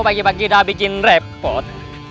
pagi pagi udah bikin repot